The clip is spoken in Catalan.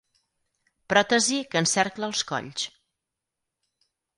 Pròtesi que encercla els colls.